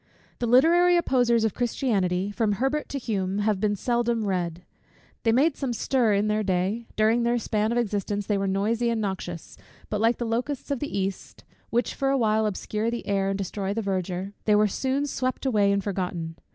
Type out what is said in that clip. The literary opposers of Christianity, from Herbert to Hume, have been seldom read. They made some stir in their day: during their span of existence they were noisy and noxious; but like the locusts of the east, which for a while obscure the air, and destroy the verdure, they were soon swept away and forgotten.